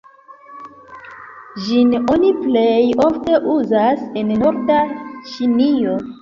Ĝin oni plej ofte uzas en norda Ĉinio.